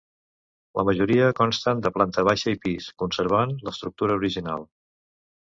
La majoria consten de planta baixa i pis, conservant l'estructura original.